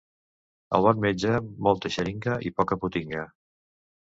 El bon metge, molta xeringa i poca potinga.